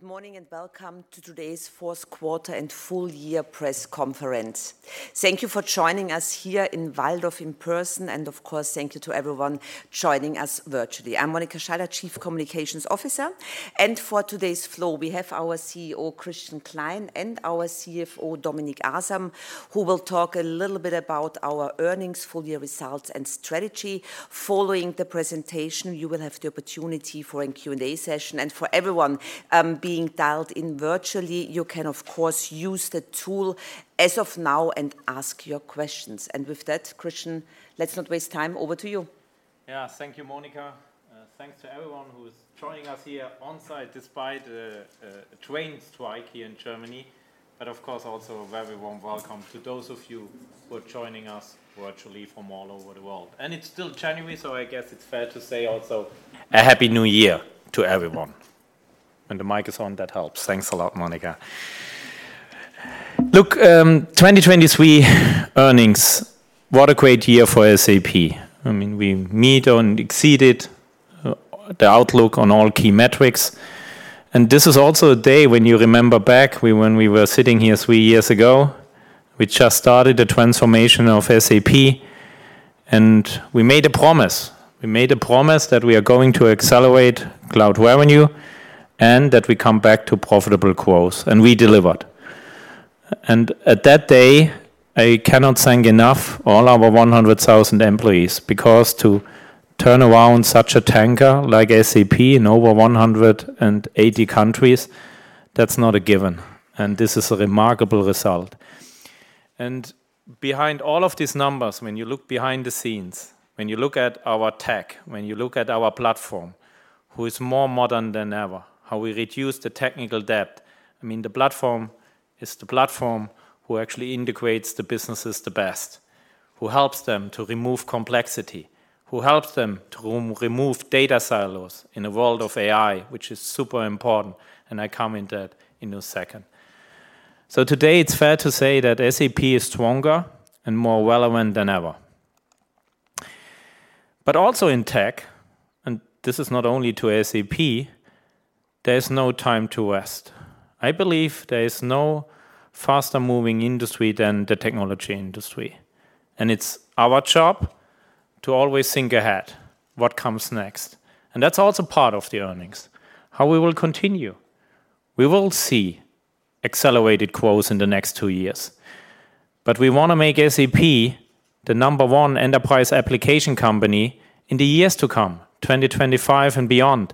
Good morning, and welcome to today's fourth quarter and full year press conference. Thank you for joining us here in Walldorf in person, and of course, thank you to everyone joining us virtually. I'm Monika Schaller, Chief Communications Officer, and for today's flow, we have our CEO, Christian Klein, and our CFO, Dominik Asam, who will talk a little bit about our earnings, full year results, and strategy. Following the presentation, you will have the opportunity for a Q&A session, and for everyone being dialed in virtually, you can, of course, use the Joule as of now and ask your questions. With that, Christian, let's not waste time. Over to you. Yeah. Thank you, Monika. Thanks to everyone who is joining us here on-site despite the train strike here in Germany, but of course, also, a very warm welcome to those of you who are joining us virtually from all over the world. And it's still January, so I guess it's fair to say also a Happy New Year to everyone. When the mic is on, that helps. Thanks a lot, Monika. Look, 2023 earnings, what a great year for SAP! I mean, we meet and exceeded the outlook on all key metrics, and this is also a day when you remember back, when we were sitting here three years ago, we just started the transformation of SAP, and we made a promise. We made a promise that we are going to accelerate cloud revenue, and that we come back to profitable growth, and we delivered. At that day, I cannot thank enough all our 100,000 employees, because to turn around such a tanker like SAP in over 180 countries, that's not a given, and this is a remarkable result. Behind all of these numbers, when you look behind the scenes, when you look at our tech, when you look at our platform, who is more modern than ever, how we reduce the technical debt, I mean, the platform is the platform who actually integrates the businesses the best, who helps them to remove complexity, who helps them to re-remove data silos in a world of AI, which is super important, and I come into that in a second. Today, it's fair to say that SAP is stronger and more relevant than ever. But also in tech, and this is not only to SAP, there's no time to rest. I believe there is no faster-moving industry than the technology industry, and it's our job to always think ahead, what comes next. And that's also part of the earnings, how we will continue. We will see accelerated growth in the next two years, but we want to make SAP the number one enterprise application company in the years to come, 2025 and beyond,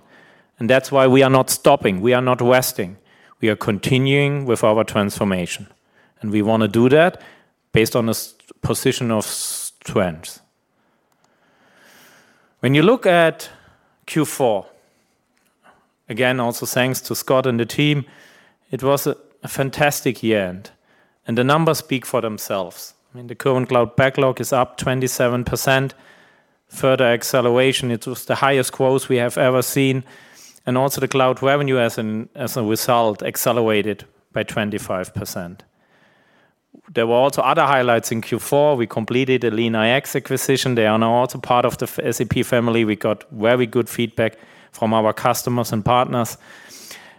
and that's why we are not stopping. We are not resting. We are continuing with our transformation, and we want to do that based on a position of strength. When you look at Q4, again, also thanks to Scott and the team, it was a fantastic year-end, and the numbers speak for themselves. I mean, the current cloud backlog is up 27%. Further acceleration, it was the highest growth we have ever seen, and also the cloud revenue, as a result, accelerated by 25%. There were also other highlights in Q4. We completed the LeanIX acquisition. They are now also part of the SAP family. We got very good feedback from our customers and partners,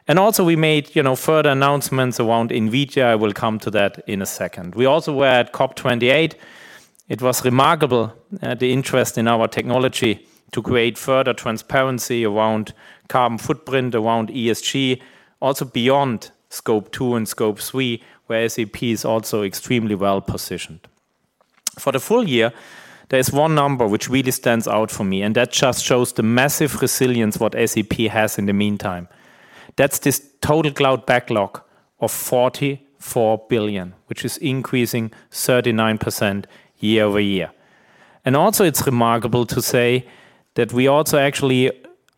and also we made, you know, further announcements around NVIDIA. I will come to that in a second. We also were at COP28. It was remarkable, the interest in our technology to create further transparency around carbon footprint, around ESG, also beyond Scope 2 and Scope 3, where SAP is also extremely well-positioned. For the full year, there is one number which really stands out for me, and that just shows the massive resilience what SAP has in the meantime. That's this total cloud backlog of 44 billion, which is increasing 39% year-over-year. And also, it's remarkable to say that we also actually...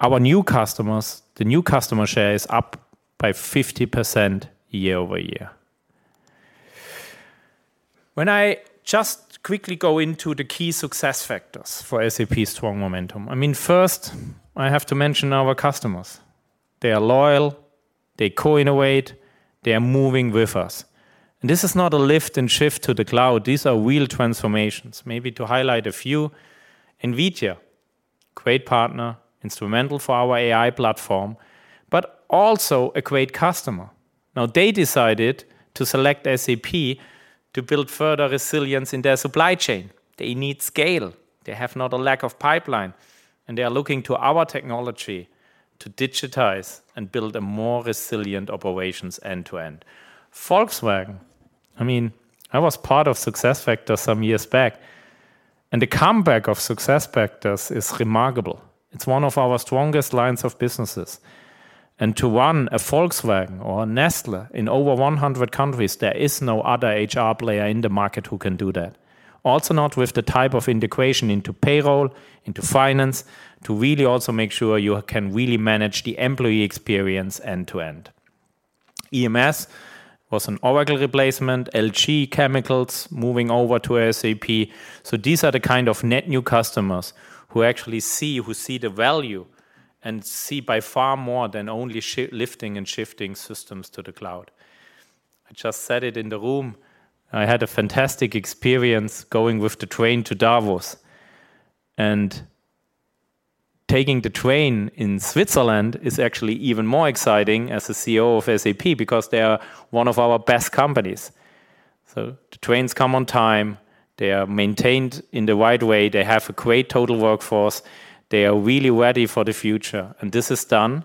Our new customers, the new customer share is up by 50% year-over-year. When I just quickly go into the key success factors for SAP's strong momentum, I mean, first, I have to mention our customers. They are loyal, they co-innovate, they are moving with us. And this is not a lift and shift to the cloud. These are real transformations. Maybe to highlight a few, NVIDIA, great partner, instrumental for our AI platform, but also a great customer. Now, they decided to select SAP to build further resilience in their supply chain. They need scale. They have not a lack of pipeline, and they are looking to our technology to digitize and build a more resilient operations end to end. Volkswagen, I mean, I was part of SuccessFactors some years back, and the comeback of SuccessFactors is remarkable. It's one of our strongest lines of businesses, and to run a Volkswagen or a Nestlé in over one hundred countries, there is no other HR player in the market who can do that. Also, not with the type of integration into payroll, into finance, to really also make sure you can really manage the employee experience end to end. AES was an Oracle replacement, LG Chemicals moving over to SAP. So these are the kind of net new customers who actually see who see the value and see by far more than only lift and shift systems to the cloud. I just said it in the room, I had a fantastic experience going with the train to Davos, and-... Taking the train in Switzerland is actually even more exciting as the CEO of SAP, because they are one of our best companies. So the trains come on time, they are maintained in the right way, they have a great total workforce, they are really ready for the future, and this is done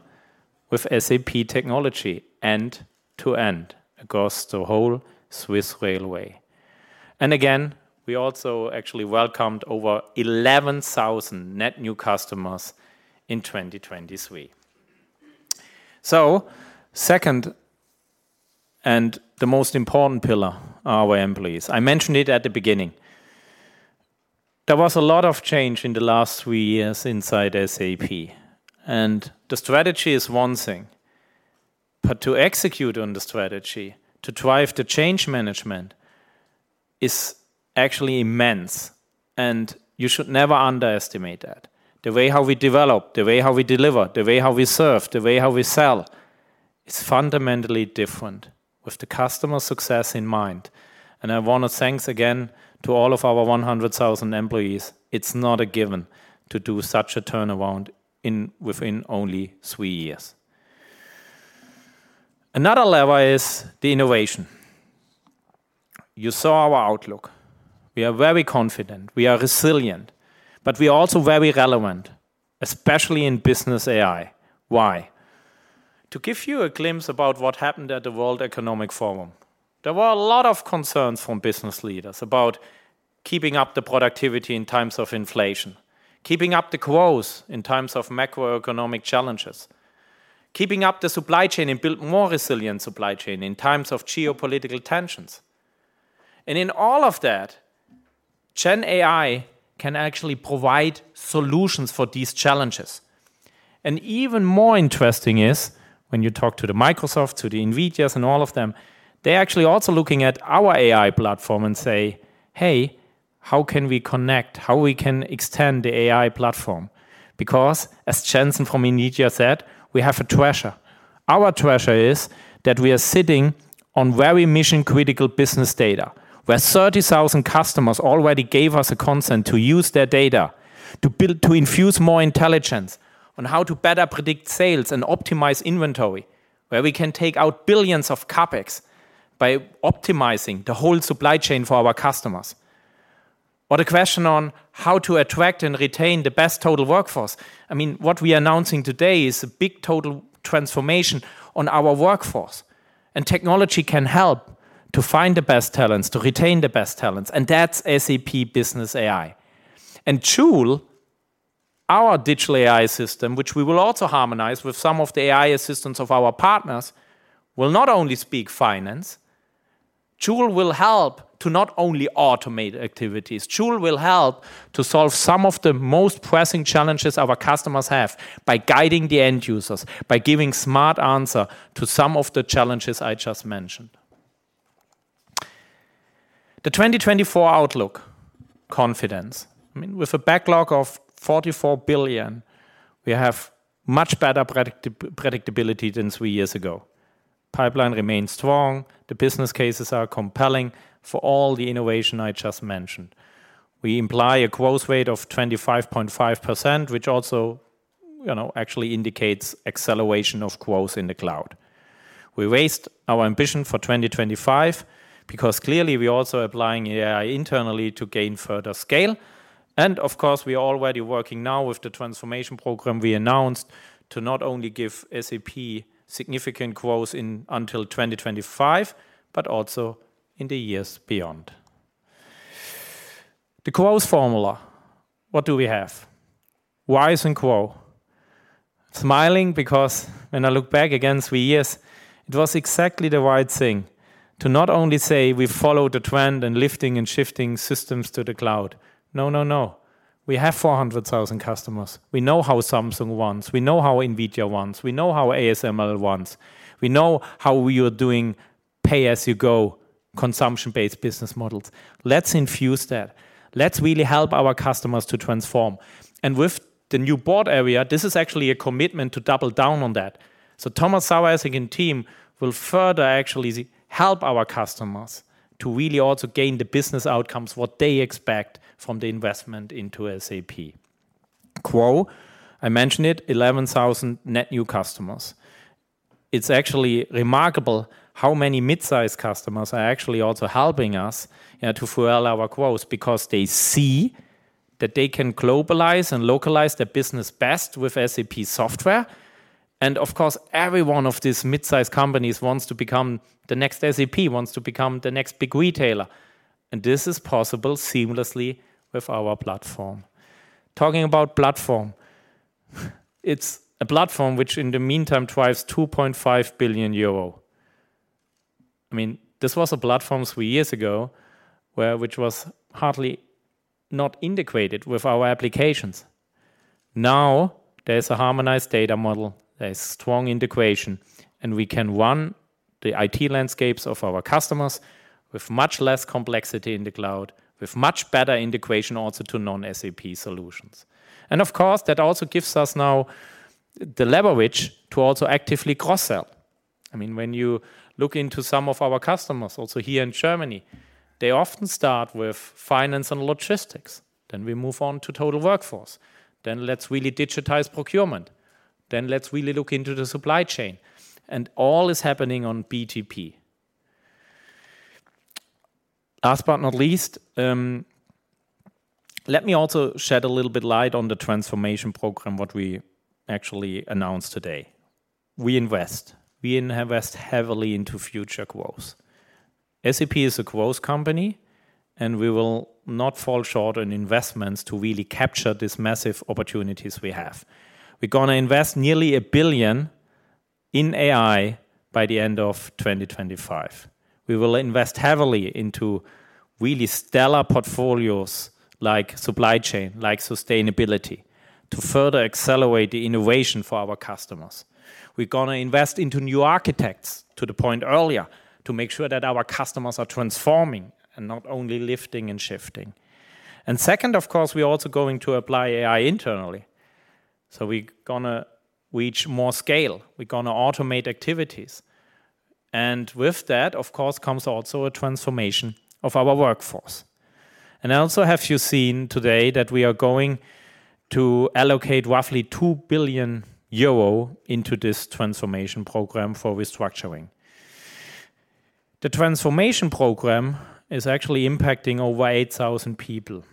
with SAP technology end-to-end across the whole Swiss railway. Again, we also actually welcomed over 11,000 net new customers in 2023. So second, and the most important pillar, our employees. I mentioned it at the beginning. There was a lot of change in the last three years inside SAP, and the strategy is one thing, but to execute on the strategy, to drive the change management, is actually immense, and you should never underestimate that. The way how we develop, the way how we deliver, the way how we serve, the way how we sell, is fundamentally different with the customer success in mind. I want to thank again to all of our 100,000 employees. It's not a given to do such a turnaround within only three years. Another lever is the innovation. You saw our outlook. We are very confident, we are resilient, but we are also very relevant, especially in business AI. Why? To give you a glimpse about what happened at the World Economic Forum, there were a lot of concerns from business leaders about keeping up the productivity in times of inflation, keeping up the growth in times of macroeconomic challenges, keeping up the supply chain and build more resilient supply chain in times of geopolitical tensions. And in all of that, Gen AI can actually provide solutions for these challenges. And even more interesting is when you talk to the Microsoft, to the NVIDIAs and all of them, they're actually also looking at our AI platform and say, "Hey, how can we connect? How we can extend the AI platform?" Because as Jensen from NVIDIA said, we have a treasure. Our treasure is that we are sitting on very mission-critical business data, where 30,000 customers already gave us a consent to use their data to build to infuse more intelligence on how to better predict sales and optimize inventory, where we can take out billions of CapEx by optimizing the whole supply chain for our customers. But a question on how to attract and retain the best total workforce, I mean, what we are announcing today is a big total transformation on our workforce, and technology can help to find the best talents, to retain the best talents, and that's SAP Business AI. And Joule, our digital AI system, which we will also harmonize with some of the AI assistants of our partners, will not only speak finance, Joule will help to not only automate activities, Joule will help to solve some of the most pressing challenges our customers have by guiding the end users, by giving smart answer to some of the challenges I just mentioned. The 2024 outlook: confidence. I mean, with a backlog of 44 billion, we have much better predictability than three years ago. Pipeline remains strong, the business cases are compelling for all the innovation I just mentioned. We imply a growth rate of 25.5%, which also, you know, actually indicates acceleration of growth in the cloud. We raised our ambition for 2025 because clearly we are also applying AI internally to gain further scale. Of course, we are already working now with the transformation program we announced to not only give SAP significant growth until 2025, but also in the years beyond. The growth formula. What do we have? RISE and GROW. Smiling, because when I look back again 3 years, it was exactly the right thing to not only say we follow the trend in lifting and shifting systems to the cloud. No, no, no. We have 400,000 customers. We know how Samsung wants, we know how NVIDIA wants, we know how ASML wants, we know how we are doing pay-as-you-go, consumption-based business models. Let's infuse that. Let's really help our customers to transform. And with the new board area, this is actually a commitment to double down on that. So Thomas Saueressig and team will further actually help our customers to really also gain the business outcomes, what they expect from the investment into SAP. GROW, I mentioned it, 11,000 net new customers. It's actually remarkable how many mid-sized customers are actually also helping us to fuel our growth because they see that they can globalize and localize their business best with SAP software. And of course, every one of these mid-sized companies wants to become the next SAP, wants to become the next big retailer, and this is possible seamlessly with our platform. Talking about platform, it's a platform which in the meantime drives 2.5 billion euro. I mean, this was a platform three years ago, which was hardly not integrated with our applications. Now, there's a harmonized data model, there's strong integration, and we can run the IT landscapes of our customers with much less complexity in the cloud, with much better integration also to non-SAP solutions. And of course, that also gives us now the leverage to also actively cross-sell. I mean, when you look into some of our customers, also here in Germany, they often start with finance and logistics. Then we move on to total workforce, then let's really digitize procurement, then let's really look into the supply chain, and all is happening on BTP. Last but not least, let me also shed a little bit light on the transformation program, what we actually announced today. We invest. We invest heavily into future growth. SAP is a growth company, and we will not fall short on investments to really capture these massive opportunities we have. We're gonna invest nearly 1 billion in AI by the end of 2025. We will invest heavily into really stellar portfolios like supply chain, like sustainability, to further accelerate the innovation for our customers. We're gonna invest into new architects, to the point earlier, to make sure that our customers are transforming and not only lifting and shifting. Second, of course, we are also going to apply AI internally, so we're gonna reach more scale. We're gonna automate activities, and with that, of course, comes also a transformation of our workforce. Also, have you seen today that we are going to allocate roughly 2 billion euro into this transformation program for restructuring? The transformation program is actually impacting over 8,000 people.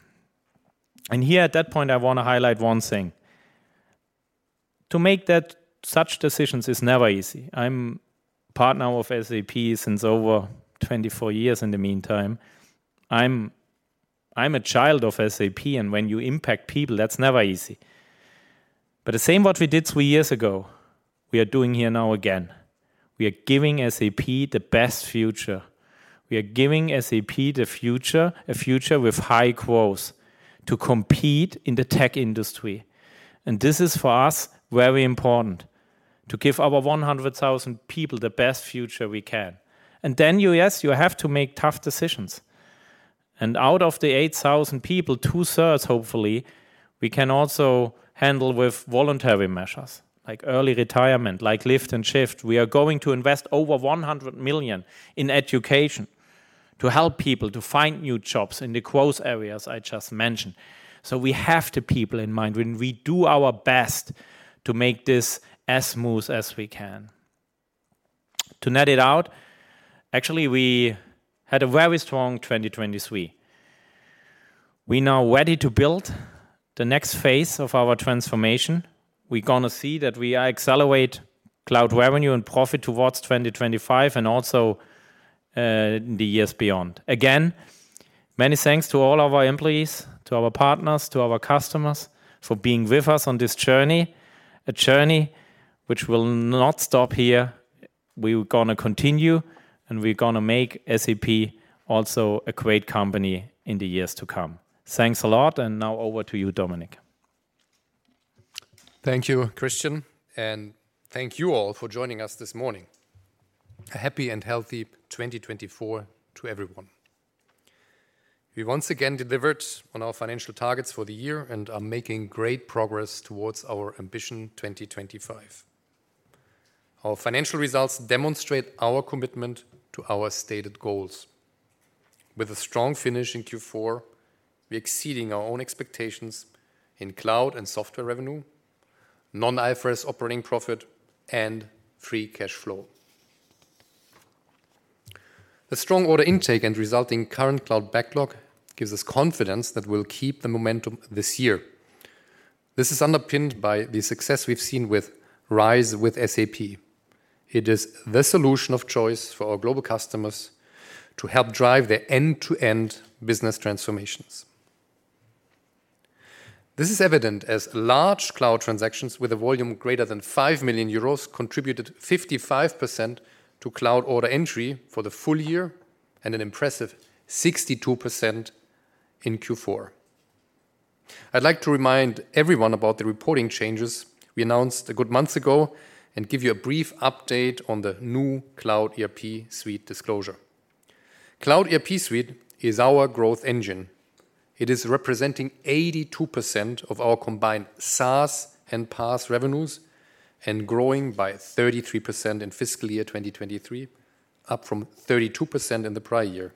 And here, at that point, I want to highlight one thing: To make that, such decisions is never easy. I'm partner of SAP since over 24 years in the meantime. I'm, I'm a child of SAP, and when you impact people, that's never easy. But the same what we did 3 years ago, we are doing here now again. We are giving SAP the best future. We are giving SAP the future, a future with high growth, to compete in the tech industry, and this is, for us, very important, to give our 100,000 people the best future we can. And then you, yes, you have to make tough decisions, and out of the 8,000 people, two-thirds, hopefully, we can also handle with voluntary measures, like early retirement, like lift and shift. We are going to invest over 100 million in education to help people to find new jobs in the growth areas I just mentioned. So we have the people in mind, and we do our best to make this as smooth as we can. To net it out, actually, we had a very strong 2023. We're now ready to build the next phase of our transformation. We're gonna see that we are accelerate cloud revenue and profit towards 2025, and also, the years beyond. Again, many thanks to all of our employees, to our partners, to our customers, for being with us on this journey, a journey which will not stop here. We're gonna continue, and we're gonna make SAP also a great company in the years to come. Thanks a lot, and now over to you, Dominik. Thank you, Christian, and thank you all for joining us this morning. A happy and healthy 2024 to everyone. We once again delivered on our financial targets for the year and are making great progress towards our ambition, 2025. Our financial results demonstrate our commitment to our stated goals. With a strong finish in Q4, we're exceeding our own expectations in cloud and software revenue, non-IFRS operating profit, and free cash flow. A strong order intake and resulting current cloud backlog gives us confidence that we'll keep the momentum this year. This is underpinned by the success we've seen with RISE with SAP. It is the solution of choice for our global customers to help drive their end-to-end business transformations. This is evident as large cloud transactions with a volume greater than 5 million euros contributed 55% to cloud order entry for the full year, and an impressive 62% in Q4. I'd like to remind everyone about the reporting changes we announced a good month ago and give you a brief update on the new Cloud ERP Suite disclosure. Cloud ERP Suite is our growth engine. It is representing 82% of our combined SaaS and PaaS revenues, and growing by 33% in fiscal year 2023, up from 32% in the prior year.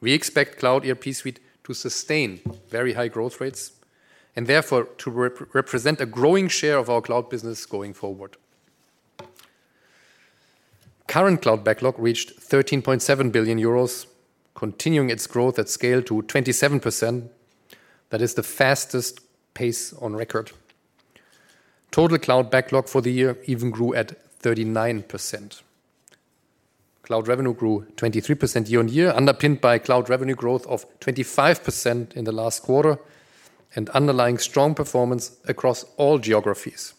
We expect Cloud ERP Suite to sustain very high growth rates, and therefore, to represent a growing share of our cloud business going forward. Current cloud backlog reached 13.7 billion euros, continuing its growth at scale to 27%. That is the fastest pace on record. Total cloud backlog for the year even grew at 39%. Cloud revenue grew 23% year-over-year, underpinned by cloud revenue growth of 25% in the last quarter, and underlying strong performance across all geographies.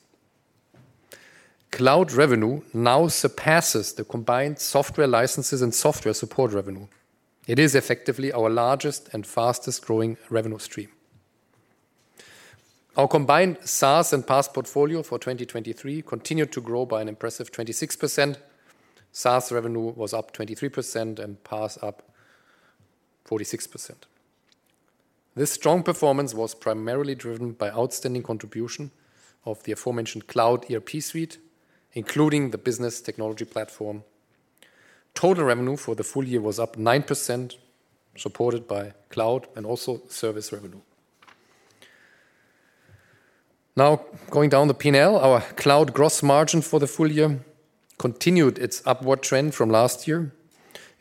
Cloud revenue now surpasses the combined software licenses and software support revenue. It is effectively our largest and fastest-growing revenue stream. Our combined SaaS and PaaS portfolio for 2023 continued to grow by an impressive 26%. SaaS revenue was up 23% and PaaS up 46%. This strong performance was primarily driven by outstanding contribution of the aforementioned Cloud ERP Suite, including the Business Technology Platform. Total revenue for the full year was up 9%, supported by cloud and also service revenue. Now, going down the P&L, our cloud gross margin for the full year continued its upward trend from last year.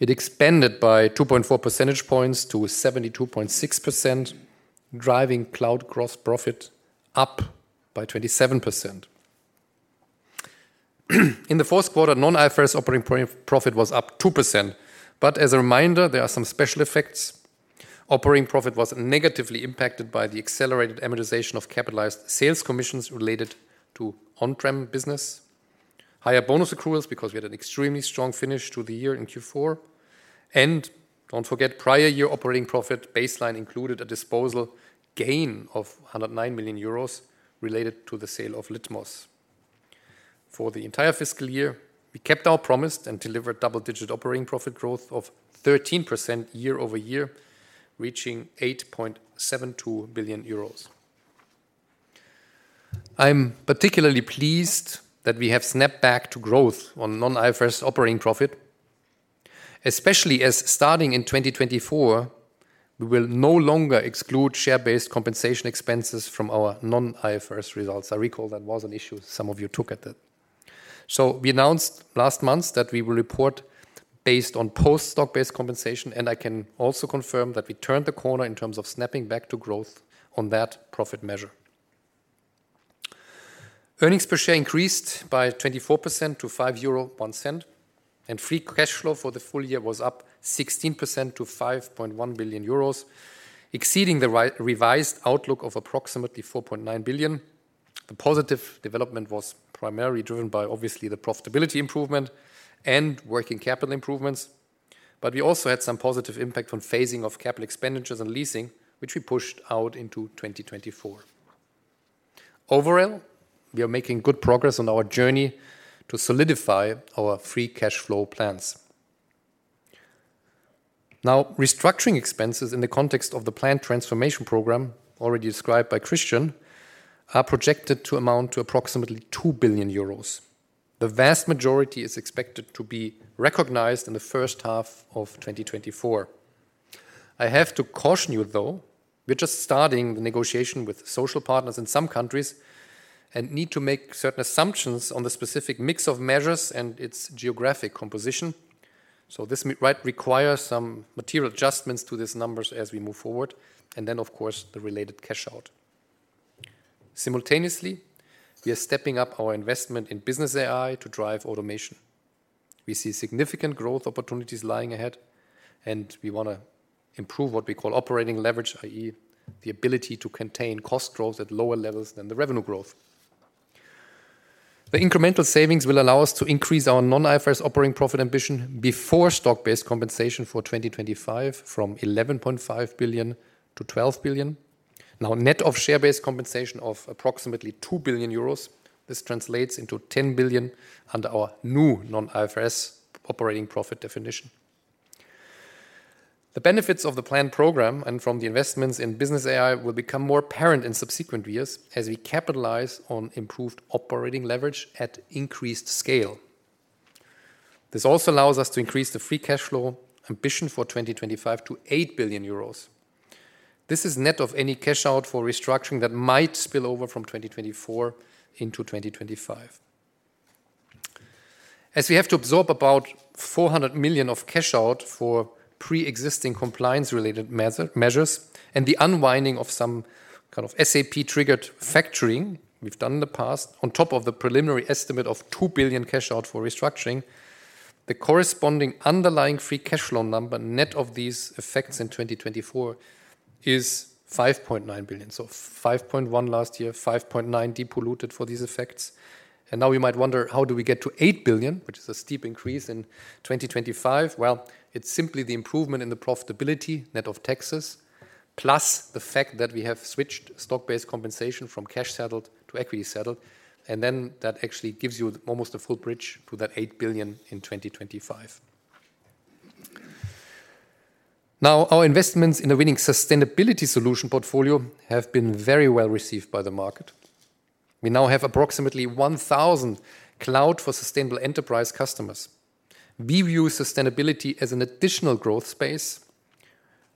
It expanded by 2.4 percentage points to 72.6%, driving cloud gross profit up by 27%. In the fourth quarter, non-IFRS operating profit was up 2%, but as a reminder, there are some special effects. Operating profit was negatively impacted by the accelerated amortization of capitalized sales commissions related to on-prem business, higher bonus accruals because we had an extremely strong finish to the year in Q4, and don't forget, prior year operating profit baseline included a disposal gain of 109 million euros related to the sale of Litmos. For the entire fiscal year, we kept our promise and delivered double-digit operating profit growth of 13% year-over-year, reaching EUR 8.72 billion. I'm particularly pleased that we have snapped back to growth on non-IFRS operating profit, especially as starting in 2024, we will no longer exclude share-based compensation expenses from our non-IFRS results. I recall that was an issue some of you took at it. So we announced last month that we will report based on post-stock-based compensation, and I can also confirm that we turned the corner in terms of snapping back to growth on that profit measure. Earnings per share increased by 24% to €5.01, and free cash flow for the full year was up 16% to €5.1 billion, exceeding the revised outlook of approximately €4.9 billion. The positive development was primarily driven by obviously the profitability improvement and working capital improvements, but we also had some positive impact on phasing of capital expenditures and leasing, which we pushed out into 2024. Overall, we are making good progress on our journey to solidify our free cash flow plans. Now, restructuring expenses in the context of the planned transformation program, already described by Christian, are projected to amount to approximately 2 billion euros. The vast majority is expected to be recognized in the first half of 2024. I have to caution you, though, we're just starting the negotiation with social partners in some countries and need to make certain assumptions on the specific mix of measures and its geographic composition. So this might require some material adjustments to these numbers as we move forward, and then, of course, the related cash out. Simultaneously, we are stepping up our investment in business AI to drive automation. We see significant growth opportunities lying ahead, and we want to improve what we call operating leverage, i.e., the ability to contain cost growth at lower levels than the revenue growth. The incremental savings will allow us to increase our non-IFRS operating profit ambition before stock-based compensation for 2025 from 11.5 billion to 12 billion. Now, net of share-based compensation of approximately 2 billion euros, this translates into 10 billion under our new non-IFRS operating profit definition. The benefits of the planned program and from the investments in business AI will become more apparent in subsequent years as we capitalize on improved operating leverage at increased scale. This also allows us to increase the free cash flow ambition for 2025 to 8 billion euros. This is net of any cash out for restructuring that might spill over from 2024 into 2025. As we have to absorb about 400 million of cash out for pre-existing compliance-related measures and the unwinding of some kind of SAP-triggered factoring we've done in the past, on top of the preliminary estimate of 2 billion cash out for restructuring, the corresponding underlying free cash flow number, net of these effects in 2024, is 5.9 billion. So 5.1 last year, 5.9 depolluted for these effects. And now you might wonder, how do we get to 8 billion, which is a steep increase in 2025? Well, it's simply the improvement in the profitability, net of taxes, plus the fact that we have switched stock-based compensation from cash settled to equity settled, and then that actually gives you almost a full bridge to that 8 billion in 2025. Now, our investments in the winning sustainability solution portfolio have been very well received by the market. We now have approximately 1,000 Cloud for Sustainable Enterprise customers. We view sustainability as an additional growth space,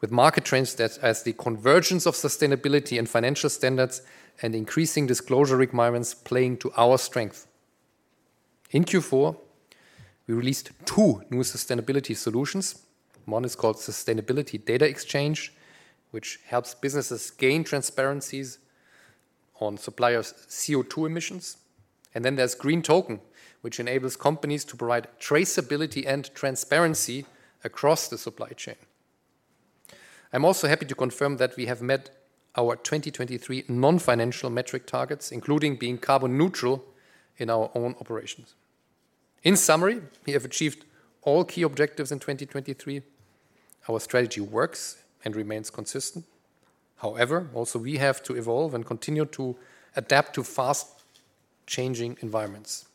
with market trends that as the convergence of sustainability and financial standards and increasing disclosure requirements playing to our strength. In Q4, we released two new sustainability solutions. One is called Sustainability Data Exchange, which helps businesses gain transparencies on suppliers' CO2 emissions. And then there's GreenToken, which enables companies to provide traceability and transparency across the supply chain. I'm also happy to confirm that we have met our 2023 non-financial metric targets, including being carbon neutral in our own operations. In summary, we have achieved all key objectives in 2023. Our strategy works and remains consistent. However, also we have to evolve and continue to adapt to fast-changing environments....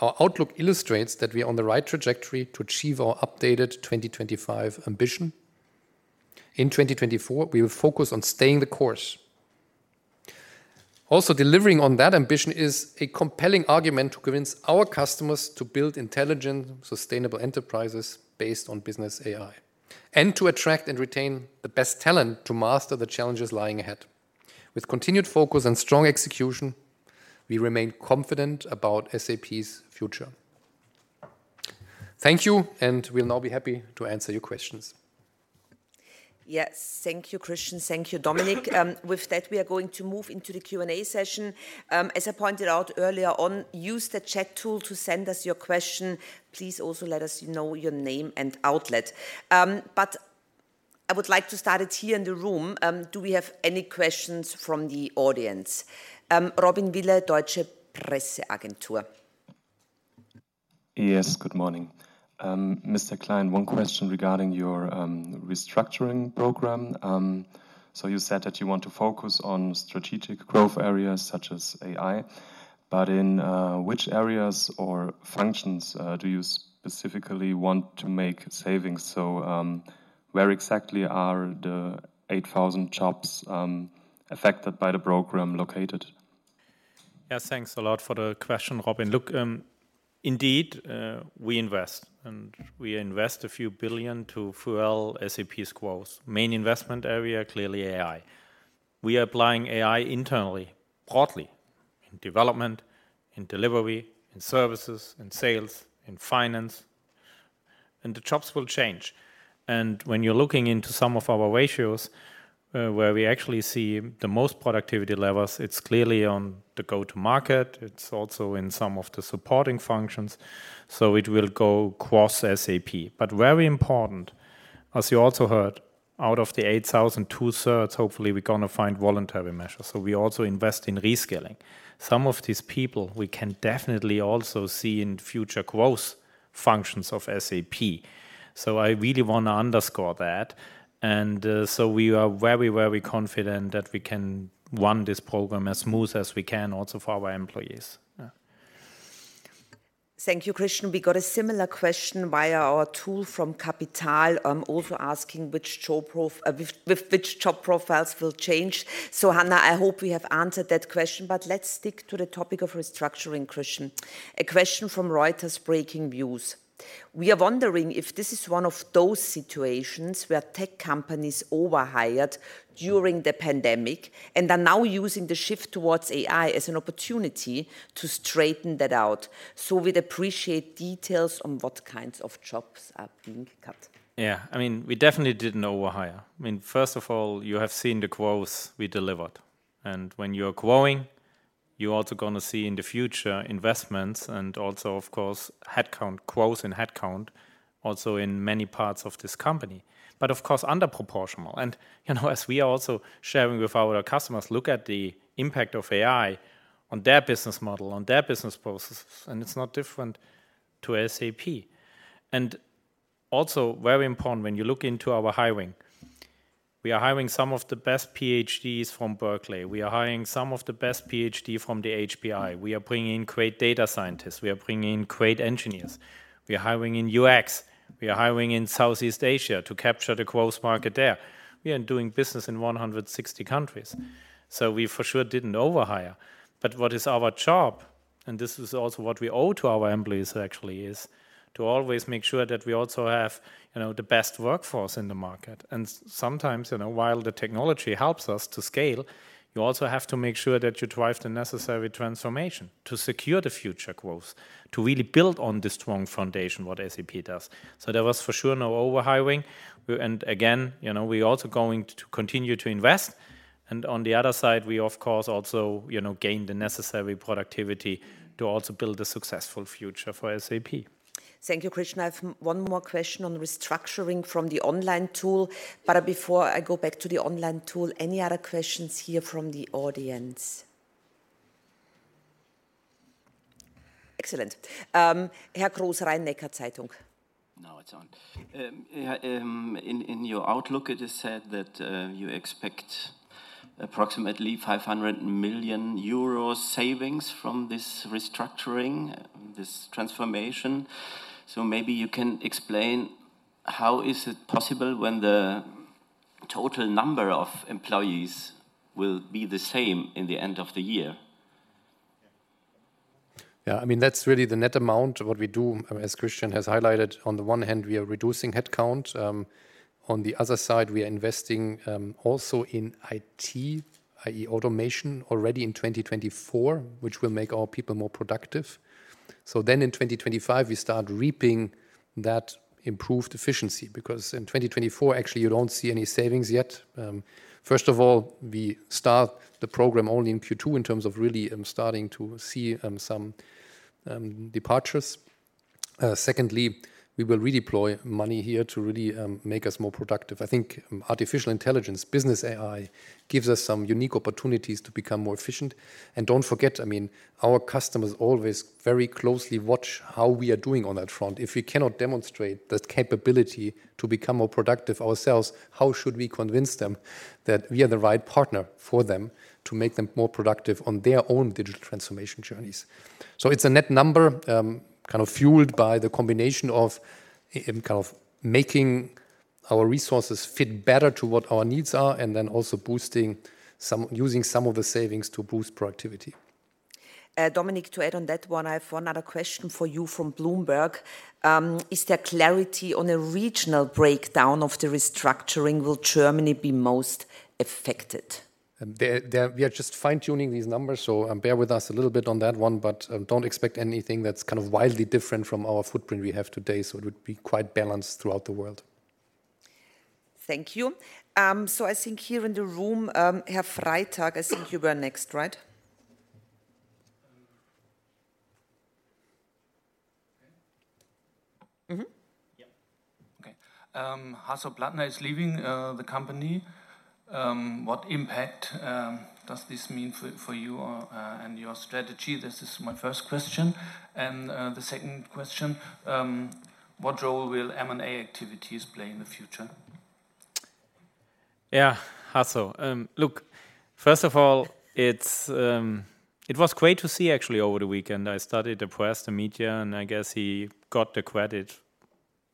Our outlook illustrates that we are on the right trajectory to achieve our updated 2025 ambition. In 2024, we will focus on staying the course. Also, delivering on that ambition is a compelling argument to convince our customers to build intelligent, sustainable enterprises based on business AI, and to attract and retain the best talent to master the challenges lying ahead. With continued focus and strong execution, we remain confident about SAP's future. Thank you, and we'll now be happy to answer your questions. Yes, thank you, Christian. Thank you, Dominik. With that, we are going to move into the Q&A session. As I pointed out earlier on, use the chat Joule to send us your question. Please also let us know your name and outlet. But I would like to start it here in the room. Do we have any questions from the audience? Robin Wille, Deutsche Presse-Agentur. Yes, good morning. Mr. Klein, one question regarding your restructuring program. So you said that you want to focus on strategic growth areas such as AI, but in which areas or functions do you specifically want to make savings? Where exactly are the 8,000 jobs affected by the program located? Yeah, thanks a lot for the question, Robin. Look, indeed, we invest, and we invest a few billion EUR to fuel SAP's growth. Main investment area, clearly AI. We are applying AI internally, broadly, in development, in delivery, in services, in sales, in finance, and the jobs will change. And when you're looking into some of our ratios, where we actually see the most productivity levels, it's clearly on the go-to-market. It's also in some of the supporting functions, so it will go cross SAP. But very important, as you also heard, out of the 8,000, two-thirds, hopefully we're gonna find voluntary measures, so we also invest in reskilling. Some of these people, we can definitely also see in future growth functions of SAP, so I really want to underscore that. So we are very, very confident that we can run this program as smooth as we can also for our employees. Yeah. Thank you, Christian. We got a similar question via our Joule from Capital, also asking which job profiles will change. So Hannah, I hope we have answered that question, but let's stick to the topic of restructuring, Christian. A question from Reuters Breakingviews: We are wondering if this is one of those situations where tech companies overhired during the pandemic and are now using the shift towards AI as an opportunity to straighten that out. So we'd appreciate details on what kinds of jobs are being cut. Yeah, I mean, we definitely didn't overhire. I mean, first of all, you have seen the growth we delivered, and when you're growing, you're also gonna see in the future, investments and also, of course, headcount, growth in headcount, also in many parts of this company, but of course, under proportional. And, you know, as we are also sharing with our customers, look at the impact of AI on their business model, on their business processes, and it's not different to SAP. And also, very important, when you look into our hiring, we are hiring some of the best PhDs from Berkeley. We are hiring some of the best PhD from the HPI. We are bringing in great data scientists. We are bringing in great engineers. We are hiring in UX. We are hiring in Southeast Asia to capture the growth market there. We are doing business in 160 countries, so we for sure didn't overhire. But what is our job, and this is also what we owe to our employees, actually, is to always make sure that we also have, you know, the best workforce in the market. And sometimes, you know, while the technology helps us to scale, you also have to make sure that you drive the necessary transformation to secure the future growth, to really build on the strong foundation, what SAP does. So there was for sure no overhiring. We, and again, you know, we're also going to continue to invest, and on the other side, we, of course, also, you know, gain the necessary productivity to also build a successful future for SAP. Thank you, Christian. I have one more question on restructuring from the online Joule, but before I go back to the online Joule, any other questions here from the audience? Excellent. Herr Kros, Rhein-Neckar-Zeitung. Now it's on. In your outlook, it is said that you expect approximately 500 million euros savings from this restructuring, this transformation. So maybe you can explain how is it possible when the total number of employees will be the same in the end of the year? Yeah, I mean, that's really the net amount of what we do, as Christian has highlighted. On the one hand, we are reducing headcount. On the other side, we are investing, also in IT, i.e., automation, already in 2024, which will make our people more productive. So then in 2025, we start reaping that improved efficiency, because in 2024, actually, you don't see any savings yet. First of all, we start the program only in Q2 in terms of really starting to see some departures. Secondly, we will redeploy money here to really make us more productive. I think artificial intelligence, business AI, gives us some unique opportunities to become more efficient. And don't forget, I mean, our customers always very closely watch how we are doing on that front. If we cannot demonstrate the capability to become more productive ourselves, how should we convince them that we are the right partner for them to make them more productive on their own digital transformation journeys? So it's a net number, kind of fueled by the combination of, kind of making-... our resources fit better to what our needs are, and then also boosting some, using some of the savings to boost productivity. Dominik, to add on that one, I have one other question for you from Bloomberg. Is there clarity on a regional breakdown of the restructuring? Will Germany be most affected? We are just fine-tuning these numbers, so, bear with us a little bit on that one, but, don't expect anything that's kind of wildly different from our footprint we have today. So it would be quite balanced throughout the world. Thank you. So I think here in the room, Herr Freitag, I think you were next, right? Um, okay. Mm-hmm. Yeah. Okay. Hasso Plattner is leaving the company. What impact does this mean for you or and your strategy? This is my first question, and the second question, what role will M&A activities play in the future? Yeah, Hasso. Look, first of all, it was great to see actually over the weekend. I studied the press, the media, and I guess he got the credit,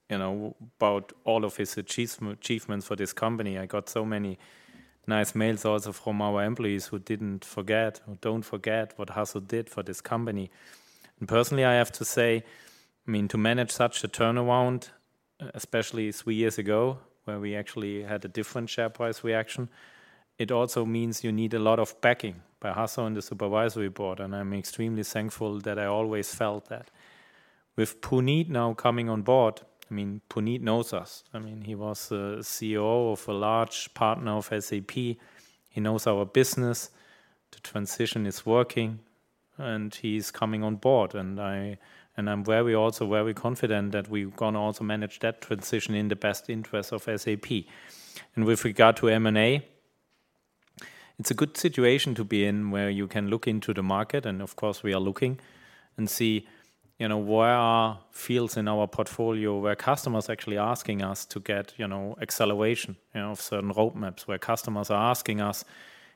you know, about all of his achievement, achievements for this company. I got so many nice mails also from our employees who didn't forget, or don't forget, what Hasso did for this company. And personally, I have to say, I mean, to manage such a turnaround, especially three years ago, where we actually had a different share price reaction, it also means you need a lot of backing by Hasso and the supervisory board, and I'm extremely thankful that I always felt that. With Punit now coming on board, I mean, Punit knows us. I mean, he was a CEO of a large partner of SAP. He knows our business. The transition is working, and he's coming on board, and I'm very, also very confident that we're gonna also manage that transition in the best interest of SAP. And with regard to M&A, it's a good situation to be in, where you can look into the market, and of course, we are looking, and see, you know, where are fields in our portfolio where customers are actually asking us to get, you know, acceleration, you know, of certain roadmaps. Where customers are asking us,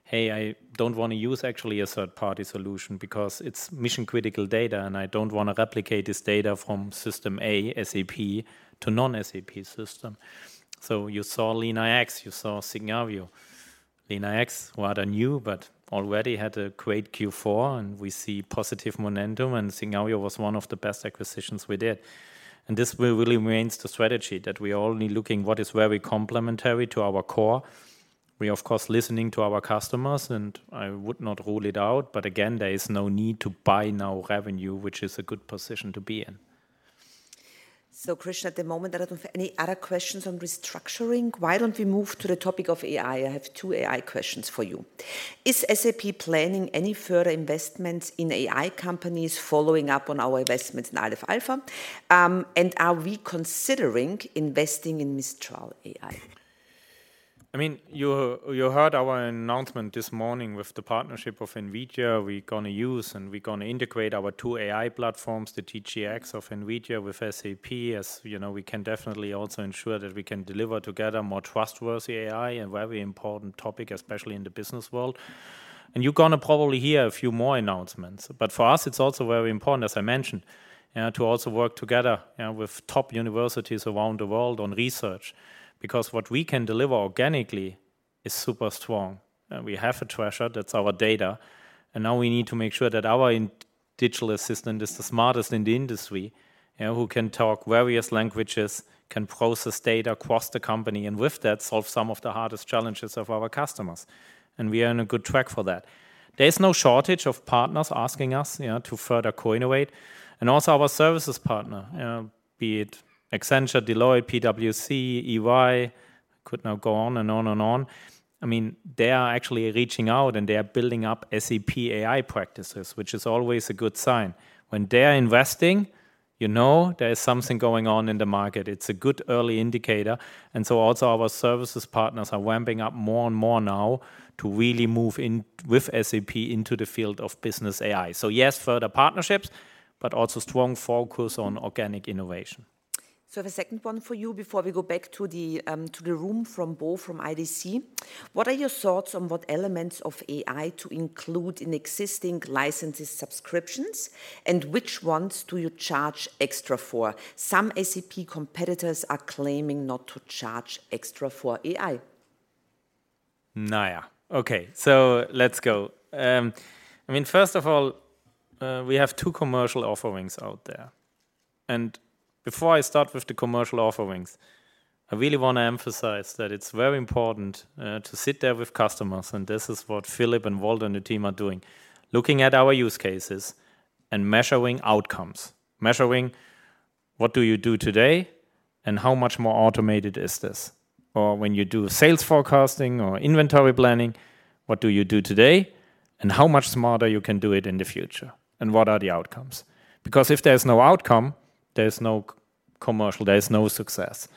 "Hey, I don't want to use actually a third-party solution because it's mission-critical data, and I don't want to replicate this data from system A, SAP, to non-SAP system." So you saw LeanIX, you saw Signavio. LeanIX, rather new, but already had a great Q4, and we see positive momentum, and Signavio was one of the best acquisitions we did. This will really remain the strategy that we are only looking for what is very complementary to our core. We are, of course, listening to our customers, and I would not rule it out, but again, there is no need to buy revenue, which is a good position to be in. So, Christian, at the moment, I don't have any other questions on restructuring. Why don't we move to the topic of AI? I have two AI questions for you: Is SAP planning any further investments in AI companies following up on our investment in Aleph Alpha? And are we considering investing in Mistral AI? I mean, you heard our announcement this morning with the partnership of NVIDIA. We're gonna use, and we're gonna integrate our two AI platforms, the NVIDIA DGX, with SAP. As you know, we can definitely also ensure that we can deliver together more trustworthy AI, a very important topic, especially in the business world. And you're gonna probably hear a few more announcements, but for us, it's also very important, as I mentioned, to also work together with top universities around the world on research, because what we can deliver organically is super strong. We have a treasure, that's our data, and now we need to make sure that our AI digital assistant is the smartest in the industry, who can talk various languages, can process data across the company, and with that, solve some of the hardest challenges of our customers, and we are on a good track for that. There is no shortage of partners asking us, you know, to further co-innovate. And also, our services partner, be it Accenture, Deloitte, PwC, EY, could now go on and on and on. I mean, they are actually reaching out, and they are building up SAP AI practices, which is always a good sign. When they're investing, you know there is something going on in the market. It's a good early indicator, and so also our services partners are ramping up more and more now to really move in with SAP into the field of business AI. So yes, further partnerships, but also strong focus on organic innovation. So the second one for you before we go back to the, to the room, from Bo from IDC: What are your thoughts on what elements of AI to include in existing licenses, subscriptions, and which ones do you charge extra for? Some SAP competitors are claiming not to charge extra for AI. Naya. Okay, so let's go. I mean, first of all, we have two commercial offerings out there, and before I start with the commercial offerings, I really want to emphasize that it's very important to sit there with customers, and this is what Philipp and Walter and the team are doing, looking at our use cases and measuring outcomes. Measuring what do you do today, and how much more automated is this? Or when you do sales forecasting or inventory planning, what do you do today, and how much smarter you can do it in the future, and what are the outcomes? Because if there's no outcome, there's no commercial, there is no success.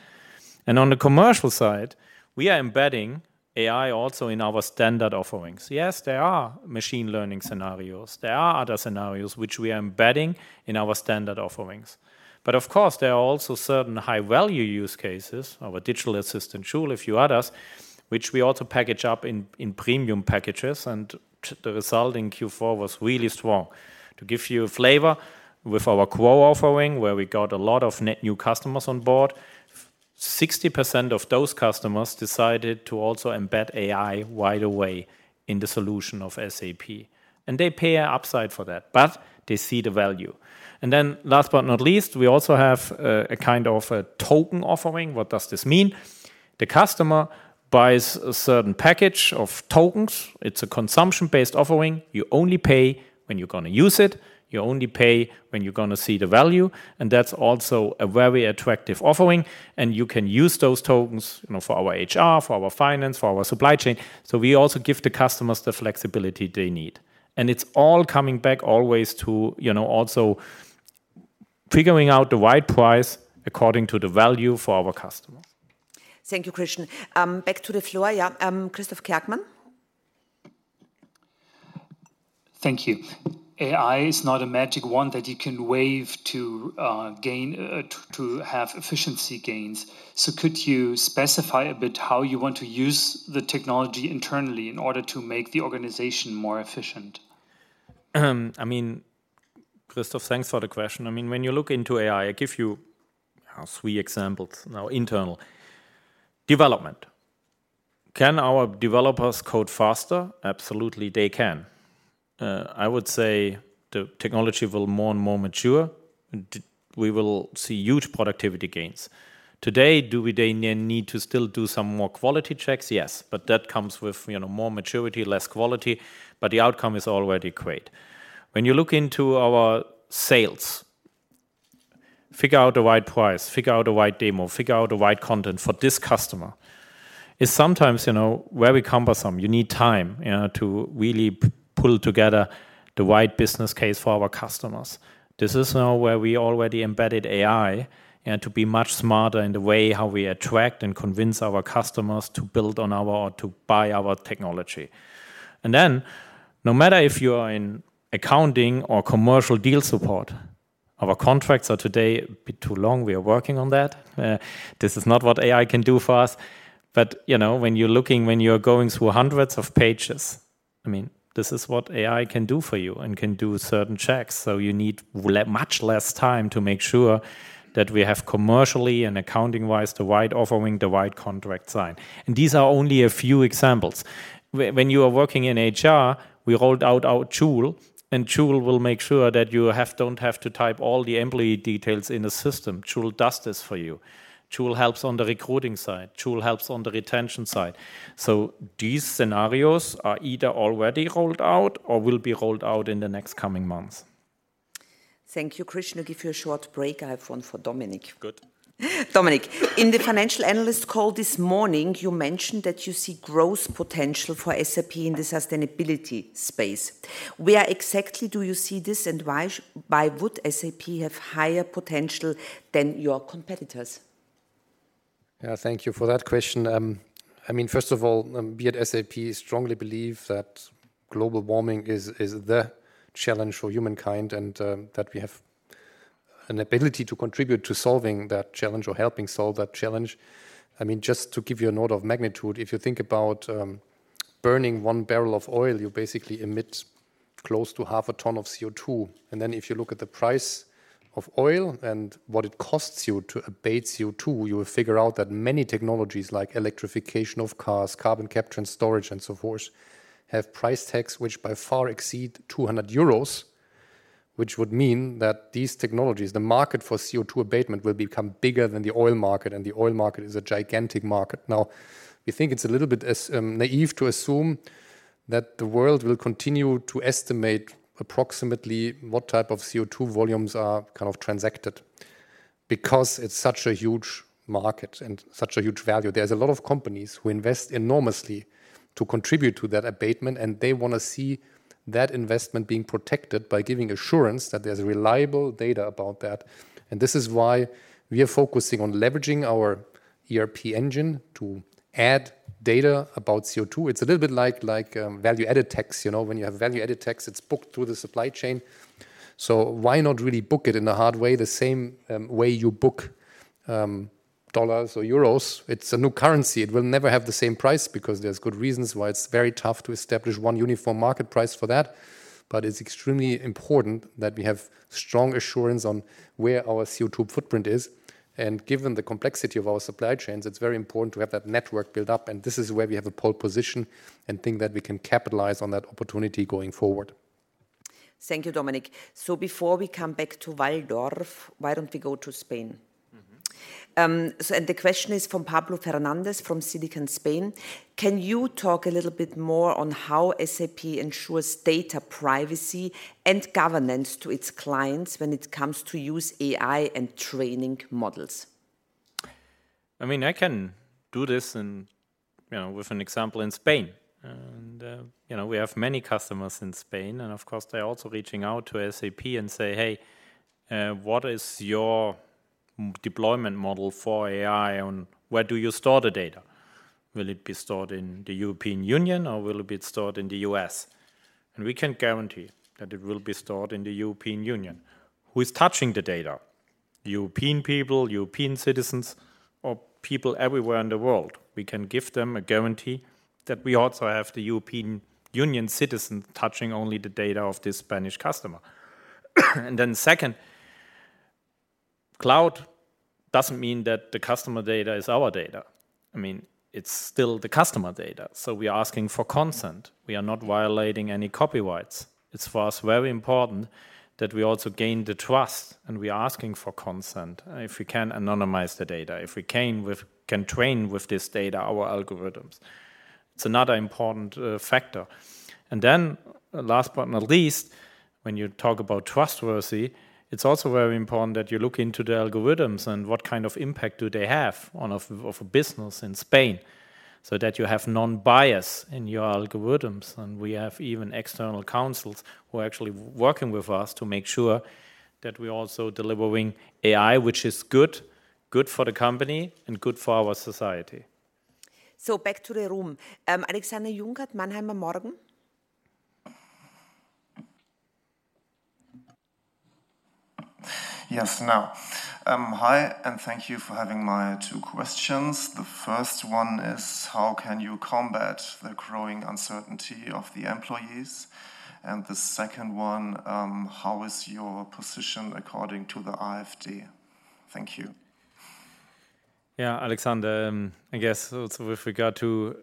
And on the commercial side, we are embedding AI also in our standard offerings. Yes, there are machine learning scenarios. There are other scenarios which we are embedding in our standard offerings, but of course, there are also certain high-value use cases, our digital assistant, Joule, a few others, which we also package up in premium packages, and the result in Q4 was really strong. To give you a flavor, with our core offering, where we got a lot of net new customers on board, 60% of those customers decided to also embed AI right away in the solution of SAP, and they pay a upside for that, but they see the value. And then last but not least, we also have a kind of a token offering. What does this mean? The customer buys a certain package of tokens. It's a consumption-based offering. You only pay when you're gonna use it, you only pay when you're gonna see the value, and that's also a very attractive offering, and you can use those tokens, you know, for our HR, for our finance, for our supply chain. So we also give the customers the flexibility they need, and it's all coming back always to, you know, also figuring out the right price according to the value for our customers. Thank you, Christian. Back to the floor, yeah. Christoph Kerkmann? Thank you. AI is not a magic wand that you can wave to gain, to have efficiency gains. So could you specify a bit how you want to use the technology internally in order to make the organization more efficient? I mean, Christoph, thanks for the question. I mean, when you look into AI, I give you three examples now, internal. Development: can our developers code faster? Absolutely, they can. I would say the technology will more and more mature, we will see huge productivity gains. Today, do we then need to still do some more quality checks? Yes, but that comes with, you know, more maturity, less quality, but the outcome is already great. When you look into our sales, figure out the right price, figure out the right demo, figure out the right content for this customer, it's sometimes, you know, very cumbersome. You need time, you know, to really pull together the right business case for our customers. This is now where we already embedded AI, and to be much smarter in the way how we attract and convince our customers to build on our... or to buy our technology. And then, no matter if you are in accounting or commercial deal support, our contracts are today a bit too long. We are working on that. This is not what AI can do for us, but, you know, when you're looking, when you're going through hundreds of pages, I mean, this is what AI can do for you, and can do certain checks. So you need much less time to make sure that we have commercially and accounting-wise, the right offering, the right contract signed. And these are only a few examples. When you are working in HR, we rolled out our Joule, and Joule will make sure that you don't have to type all the employee details in the system. Joule does this for you. Joule helps on the recruiting side, Joule helps on the retention side. So these scenarios are either already rolled out or will be rolled out in the next coming months. Thank you, Christian. I'll give you a short break. I have one for Dominik. Good. Dominik, in the financial analyst call this morning, you mentioned that you see growth potential for SAP in the sustainability space. Where exactly do you see this, and why would SAP have higher potential than your competitors? Yeah, thank you for that question. I mean, first of all, we at SAP strongly believe that global warming is the challenge for humankind, and that we have an ability to contribute to solving that challenge or helping solve that challenge. I mean, just to give you an order of magnitude, if you think about burning 1 barrel of oil, you basically emit close to half a ton of CO2. And then, if you look at the price of oil and what it costs you to abate CO2, you will figure out that many technologies, like electrification of cars, carbon capture and storage, and so forth, have price tags which by far exceed 200 euros, which would mean that these technologies, the market for CO2 abatement, will become bigger than the oil market, and the oil market is a gigantic market. Now, we think it's a little bit naive to assume that the world will continue to estimate approximately what type of CO2 volumes are kind of transacted, because it's such a huge market and such a huge value. There's a lot of companies who invest enormously to contribute to that abatement, and they wanna see that investment being protected by giving assurance that there's reliable data about that, and this is why we are focusing on leveraging our ERP engine to add data about CO2. It's a little bit like value-added tax. You know, when you have value-added tax, it's booked through the supply chain. So why not really book it in a hard way, the same way you book dollars or euros? It's a new currency. It will never have the same price because there's good reasons why it's very tough to establish one uniform market price for that. But it's extremely important that we have strong assurance on where our CO2 footprint is, and given the complexity of our supply chains, it's very important to have that network built up, and this is where we have a pole position and think that we can capitalize on that opportunity going forward. Thank you, Dominik. Before we come back to Walldorf, why don't we go to Spain? Mm-hmm. And the question is from Pablo Fernández, from Silicon Spain: Can you talk a little bit more on how SAP ensures data privacy and governance to its clients when it comes to use AI and training models? I mean, I can do this in, you know, with an example in Spain. And, you know, we have many customers in Spain, and of course, they're also reaching out to SAP and say, "Hey, what is your deployment model for AI, and where do you store the data? Will it be stored in the European Union, or will it be stored in the U.S.?" And we can guarantee that it will be stored in the European Union. Who is touching the data? European people, European citizens, or people everywhere in the world. We can give them a guarantee that we also have the European Union citizen touching only the data of the Spanish customer.... And then second, cloud doesn't mean that the customer data is our data. I mean, it's still the customer data, so we're asking for consent. We are not violating any copyrights. It's for us very important that we also gain the trust, and we are asking for consent if we can anonymize the data, if we can train with this data our algorithms. It's another important factor. And then last but not least, when you talk about trustworthy, it's also very important that you look into the algorithms and what kind of impact do they have on a business in Spain, so that you have non-bias in your algorithms. And we have even external counsels who are actually working with us to make sure that we're also delivering AI which is good, good for the company and good for our society. Back to the room. Alexander Jungert, Mannheimer Morgen? Yes. Now, hi, and thank you for having my two questions. The first one is, how can you combat the growing uncertainty of the employees? And the second one, how is your position according to the IFRS? Thank you. Yeah, Alexander, I guess also with regard to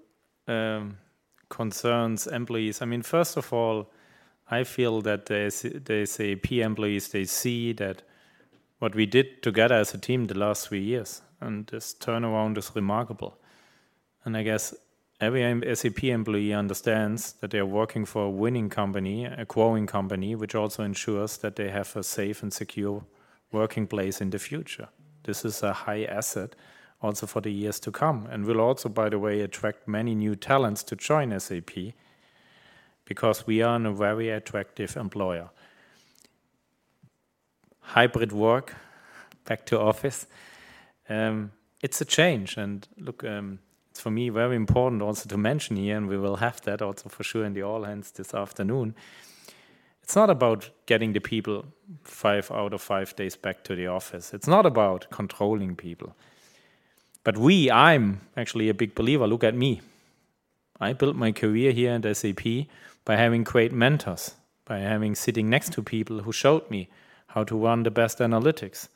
concerns employees, I mean, first of all, I feel that the SAP employees, they see that what we did together as a team the last three years, and this turnaround is remarkable. And I guess every SAP employee understands that they are working for a winning company, a growing company, which also ensures that they have a safe and secure working place in the future. This is a high asset also for the years to come, and will also, by the way, attract many new talents to join SAP, because we are in a very attractive employer. Hybrid work, back to office, it's a change. And look, it's for me, very important also to mention here, and we will have that also for sure, in the all hands this afternoon. It's not about getting the people 5 out of 5 days back to the office. It's not about controlling people, but we... I'm actually a big believer. Look at me. I built my career here in SAP by having great mentors, by having sitting next to people who showed me how to run the best analytics,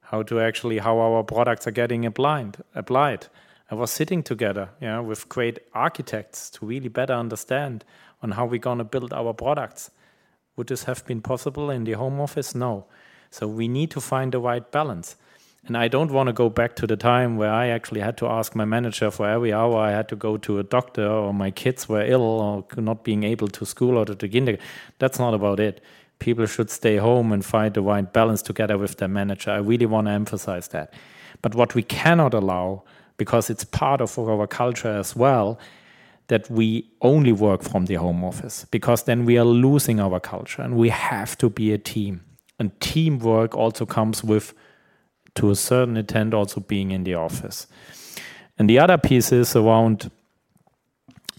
how to actually, how our products are getting applied, applied. I was sitting together, you know, with great architects to really better understand on how we're gonna build our products. Would this have been possible in the home office? No. So we need to find the right balance, and I don't want to go back to the time where I actually had to ask my manager for every hour I had to go to a doctor, or my kids were ill, or not being able to school or to kindergarten. That's not about it. People should stay home and find the right balance together with their manager. I really want to emphasize that. But what we cannot allow, because it's part of our culture as well, that we only work from the home office, because then we are losing our culture, and we have to be a team. And teamwork also comes with, to a certain extent, also being in the office. And the other piece is around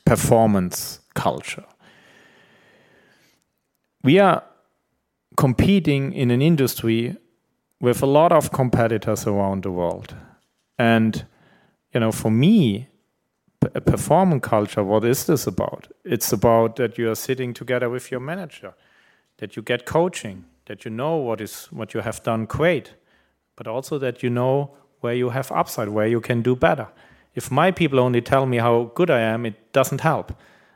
performance culture. We are competing in an industry with a lot of competitors around the world. And, you know, for me, a performance culture, what is this about? It's about that you are sitting together with your manager, that you get coaching, that you know what is, what you have done great, but also that you know where you have upside, where you can do better. If my people only tell me how good I am, it doesn't help.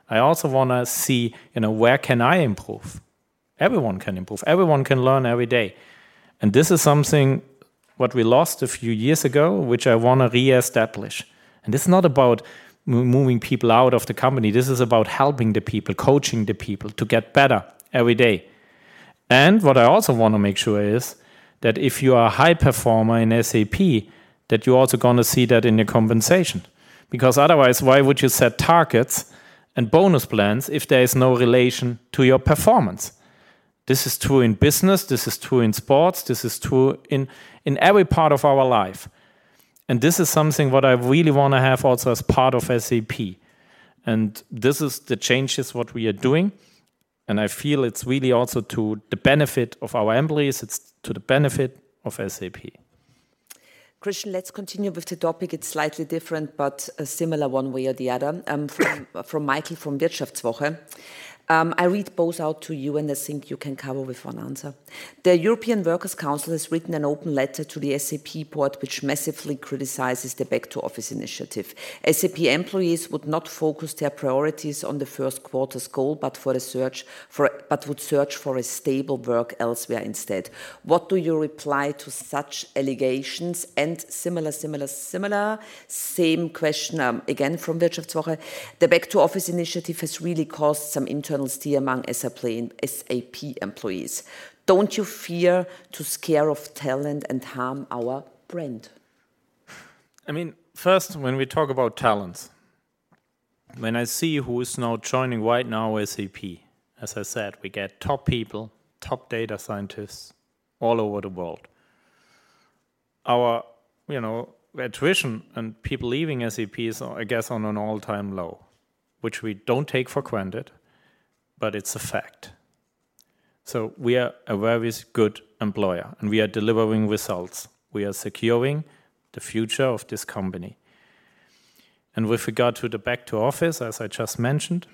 I also want to see, you know, where can I improve? Everyone can improve. Everyone can learn every day, and this is something what we lost a few years ago, which I want to reestablish. This is not about moving people out of the company, this is about helping the people, coaching the people to get better every day. What I also want to make sure is, that if you are a high performer in SAP, that you're also going to see that in your compensation. Because otherwise, why would you set targets and bonus plans if there is no relation to your performance? This is true in business, this is true in sports, this is true in every part of our life, and this is something what I really want to have also as part of SAP. This is the changes what we are doing, and I feel it's really also to the benefit of our employees, it's to the benefit of SAP. Christian, let's continue with the topic. It's slightly different, but a similar one way or the other. From Michael, from WirtschaftsWoche. I read both out to you, and I think you can cover with one answer. "The European Works Council has written an open letter to the SAP board, which massively criticizes the back to office initiative. SAP employees would not focus their priorities on the first quarter's goal, but would search for a stable work elsewhere instead. What do you reply to such allegations?" And similar, same question, again, from WirtschaftsWoche: "The back to office initiative has really caused some internal stir among SAP employees. Don't you fear to scare off talent and harm our brand? I mean, first, when we talk about talents, when I see who is now joining right now, SAP, as I said, we get top people, top data scientists all over the world. Our, you know, attrition and people leaving SAP is, I guess, on an all-time low, which we don't take for granted, but it's a fact. So we are a very good employer, and we are delivering results. We are securing the future of this company. With regard to the back to office, as I just mentioned,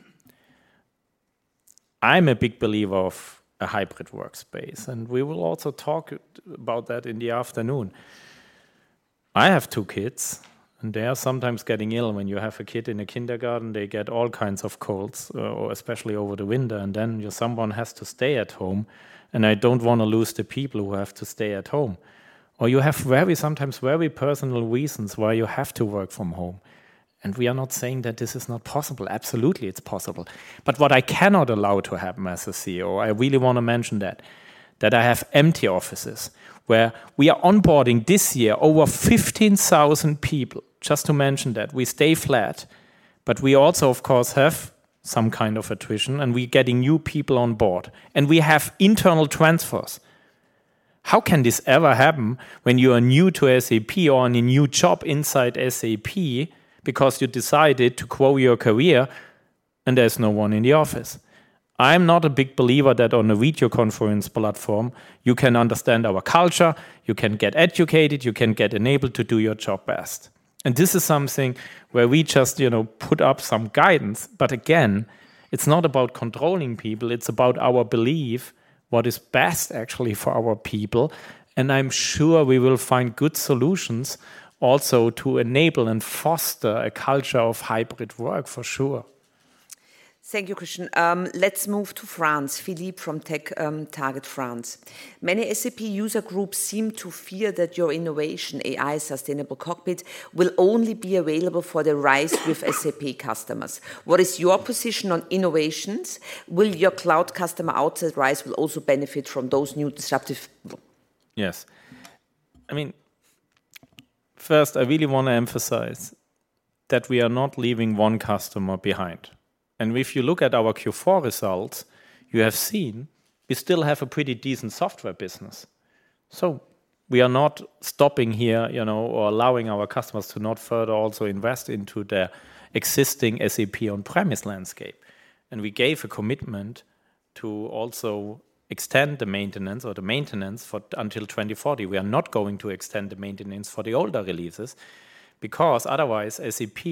I'm a big believer of a hybrid workspace, and we will also talk about that in the afternoon. I have two kids, and they are sometimes getting ill. When you have a kid in a kindergarten, they get all kinds of colds, or especially over the winter, and then someone has to stay at home, and I don't want to lose the people who have to stay at home. Or you have very, sometimes very personal reasons why you have to work from home, and we are not saying that this is not possible. Absolutely, it's possible. But what I cannot allow to happen as a CEO, I really want to mention that, that I have empty offices where we are onboarding this year over 15,000 people, just to mention that we stay flat, but we also, of course, have some kind of attrition, and we're getting new people on board, and we have internal transfers. How can this ever happen when you are new to SAP or in a new job inside SAP because you decided to grow your career and there's no one in the office? I'm not a big believer that on a video conference platform, you can understand our culture, you can get educated, you can get enabled to do your job best. This is something where we just, you know, put up some guidance, but again, it's not about controlling people, it's about our belief, what is best actually for our people. I'm sure we will find good solutions also to enable and foster a culture of hybrid work for sure. Thank you, Christian. Let's move to France. Philippe from TechTarget France: "Many SAP user groups seem to fear that your innovation, AI Sustainable Cockpit, will only be available for the RISE with SAP customers. What is your position on innovations? Will your cloud customer outside RISE will also benefit from those new disruptive? Yes. I mean, first, I really want to emphasize that we are not leaving one customer behind. If you look at our Q4 results, you have seen we still have a pretty decent software business. We are not stopping here, you know, or allowing our customers to not further also invest into their existing SAP on-premise landscape. We gave a commitment to also extend the maintenance or the maintenance for—until 2040. We are not going to extend the maintenance for the older releases, because otherwise, SAP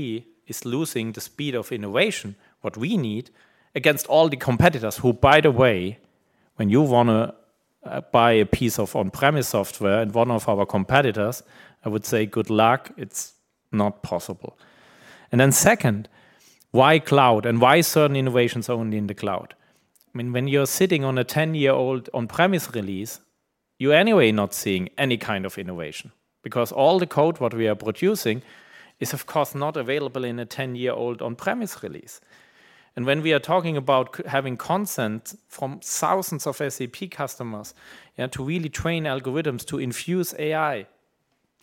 is losing the speed of innovation, what we need, against all the competitors, who, by the way, when you want to, buy a piece of on-premise software and one of our competitors, I would say, good luck, it's not possible. Then second, why cloud, and why certain innovations only in the cloud? I mean, when you're sitting on a 10-year-old on-premise release, you're anyway not seeing any kind of innovation because all the code what we are producing is, of course, not available in a 10-year-old on-premise release. And when we are talking about cloud having consent from thousands of SAP customers, yeah, to really train algorithms to infuse AI,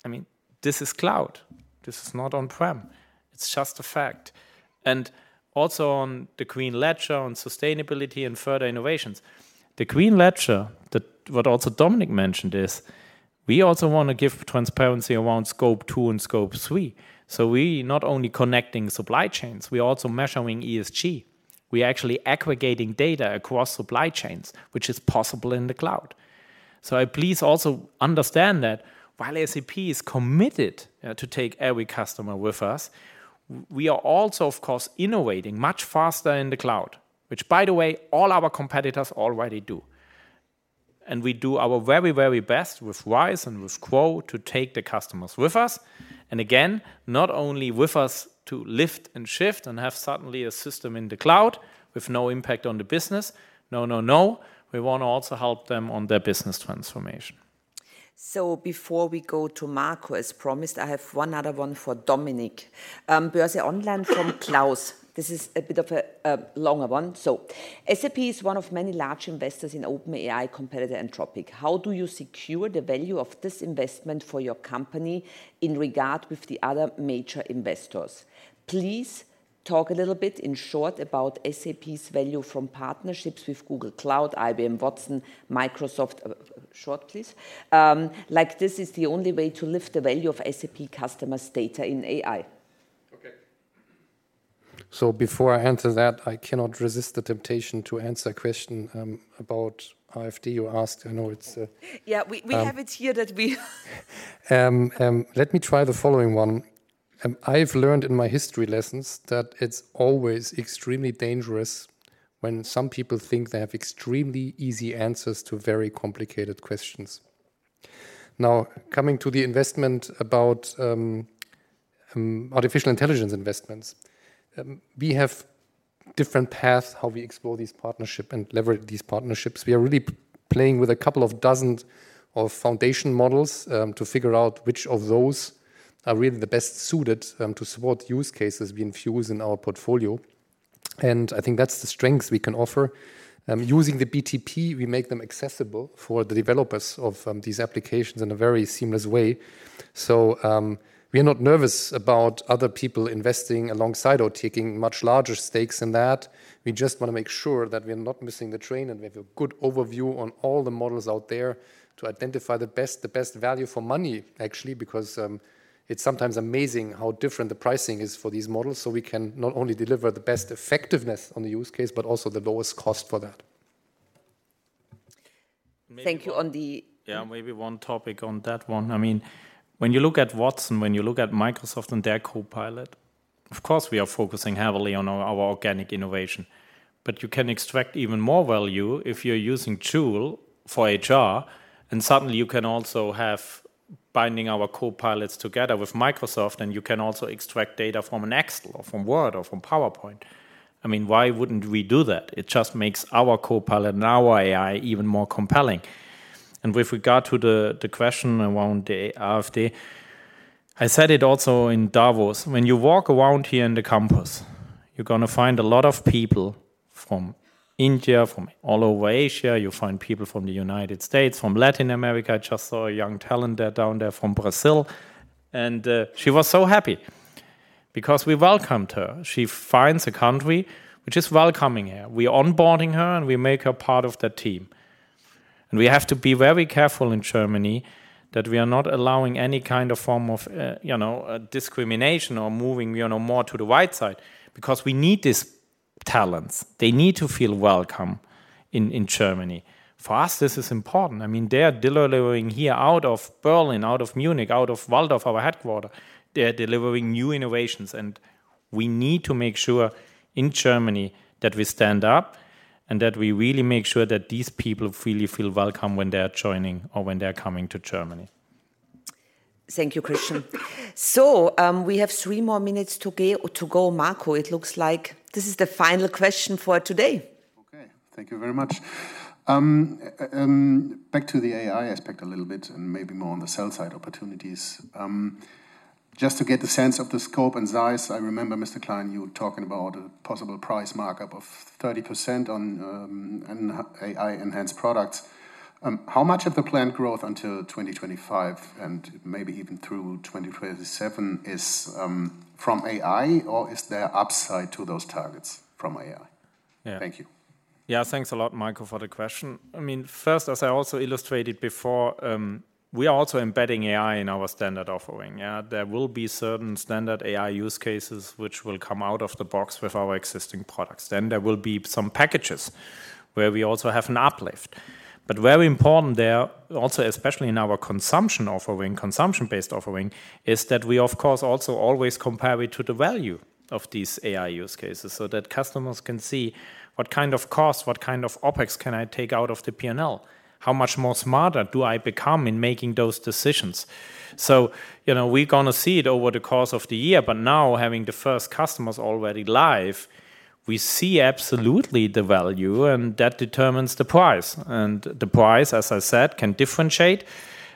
I mean, this is cloud. This is not on-prem. It's just a fact. And also, on the Green Ledger, on sustainability and further innovations, the Green Ledger, the what also Dominik mentioned is, we also want to give transparency around Scope 2 and Scope 3. So we not only connecting supply chains, we are also measuring ESG. We are actually aggregating data across supply chains, which is possible in the cloud. So please also understand that while SAP is committed to take every customer with us, we are also, of course, innovating much faster in the cloud, which, by the way, all our competitors already do. And we do our very, very best with RISE and with GROW to take the customers with us, and again, not only with us to lift and shift and have suddenly a system in the cloud with no impact on the business. No, no, no. We want to also help them on their business transformation. So before we go to Marco, as promised, I have one other one for Dominik. Börse Online from Klaus. This is a bit of a longer one. So, "SAP is one of many large investors in OpenAI competitor, Anthropic. How do you secure the value of this investment for your company in regard with the other major investors? Please talk a little bit, in short, about SAP's value from partnerships with Google Cloud, IBM Watson, Microsoft," short, please, "like this is the only way to lift the value of SAP customers' data in AI. Okay. So before I answer that, I cannot resist the temptation to answer a question about IFRS you asked. I know it's, Yeah, we, we have it here that we... let me try the following one. I've learned in my history lessons that it's always extremely dangerous when some people think they have extremely easy answers to very complicated questions. Now, coming to the investment about artificial intelligence investments, we have different paths, how we explore these partnership and leverage these partnerships. We are really playing with a couple of dozen of foundation models, to figure out which of those are really the best suited, to support use cases we infuse in our portfolio, and I think that's the strength we can offer. Using the BTP, we make them accessible for the developers of, these applications in a very seamless way. So, we are not nervous about other people investing alongside or taking much larger stakes in that. We just want to make sure that we are not missing the train, and we have a good overview on all the models out there to identify the best, the best value for money, actually, because it's sometimes amazing how different the pricing is for these models. So we can not only deliver the best effectiveness on the use case, but also the lowest cost for that.... thank you on the- Yeah, maybe one topic on that one. I mean, when you look at Watson, when you look at Microsoft and their Copilot, of course, we are focusing heavily on our, our organic innovation. But you can extract even more value if you're using Joule for HR, and suddenly you can also have binding our Copilots together with Microsoft, and you can also extract data from an Excel or from Word or from PowerPoint. I mean, why wouldn't we do that? It just makes our Copilot and our AI even more compelling. And with regard to the question around the AfD, I said it also in Davos, when you walk around here in the campus, you're gonna find a lot of people from India, from all over Asia. You'll find people from the United States, from Latin America. I just saw a young talent there, down there from Brazil, and she was so happy because we welcomed her. She finds a country which is welcoming her. We are onboarding her, and we make her part of the team. And we have to be very careful in Germany that we are not allowing any kind of form of, you know, discrimination or moving, you know, more to the right side, because we need these talents. They need to feel welcome in, in Germany. For us, this is important. I mean, they are delivering here out of Berlin, out of Munich, out of Walldorf, our headquarter. They're delivering new innovations, and we need to make sure in Germany that we stand up and that we really make sure that these people really feel welcome when they are joining or when they're coming to Germany. Thank you, Christian. So, we have three more minutes to go, to go. Mark, it looks like this is the final question for today. Okay. Thank you very much. Back to the AI aspect a little bit, and maybe more on the sell side opportunities. Just to get the sense of the scope and size, I remember, Mr. Klein, you were talking about a possible price markup of 30% on an AI-enhanced products. How much of the planned growth until 2025, and maybe even through 2027, is from AI, or is there upside to those targets from AI? Yeah. Thank you. Yeah, thanks a lot, Michael, for the question. I mean, first, as I also illustrated before, we are also embedding AI in our standard offering, yeah. There will be certain standard AI use cases which will come out of the box with our existing products. Then there will be some packages where we also have an uplift. But very important there, also, especially in our consumption offering, consumption-based offering, is that we, of course, also always compare it to the value of these AI use cases so that customers can see what kind of cost, what kind of OpEx can I take out of the P&L? How much more smarter do I become in making those decisions? So, you know, we're gonna see it over the course of the year, but now, having the first customers already live, we see absolutely the value, and that determines the price. The price, as I said, can differentiate.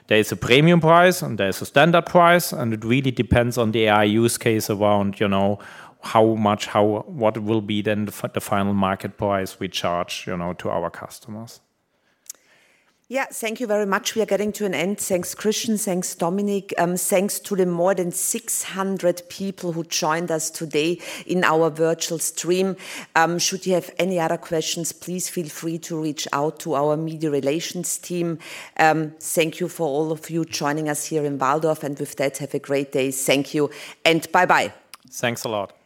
There is a premium price, and there is a standard price, and it really depends on the AI use case around, you know, how much, what will be then the final market price we charge, you know, to our customers. Yeah, thank you very much. We are getting to an end. Thanks, Christian, thanks, Dominik. Thanks to the more than 600 people who joined us today in our virtual stream. Should you have any other questions, please feel free to reach out to our media relations team. Thank you for all of you joining us here in Walldorf, and with that, have a great day. Thank you, and bye-bye. Thanks a lot.